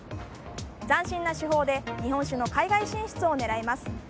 斬新な手法で日本酒の海外進出を狙います。